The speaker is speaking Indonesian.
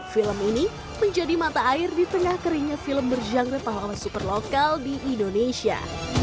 film ini menjadi mata air di tengah keringnya film berjangre pahlawan super lokal di indonesia